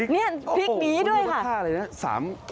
เนี่ยคลิกนี้ด้วยค่ะ